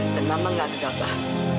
dan mama gak gegabah